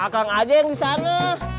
kang ada yang disana